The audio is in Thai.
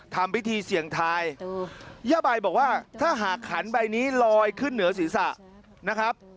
ทำพิธีเสี่ยงทายย่าใบบอกว่าถ้าหากขันใบนี้ลอยขึ้นเหนือศีรษะนะครับ